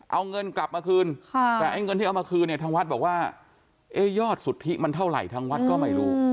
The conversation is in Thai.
เอาเงินกลับมาคืนแต่ไอ้เงินที่เอามาคืนเนี่ยทางวัดบอกว่ายอดสุทธิมันเท่าไหร่ทางวัดก็ไม่รู้